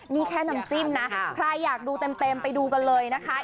นี่แค่น้ำจิ้มนะใครอยากดูเต็มไปดูกันเลยนะคะ